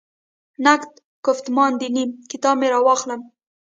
«نقد ګفتمان دیني» کتاب مې راواخلم.